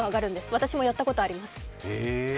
私もやったことあります。